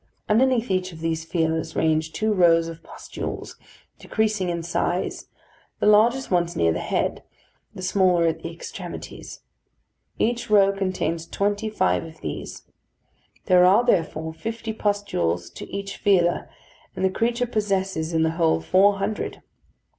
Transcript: Underneath each of these feelers range two rows of pustules, decreasing in size, the largest ones near the head, the smaller at the extremities. Each row contains twenty five of these. There are, therefore, fifty pustules to each feeler, and the creature possesses in the whole four hundred.